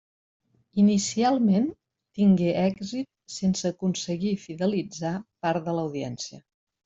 Inicialment tingué èxit sense aconseguir fidelitzar part de l'audiència.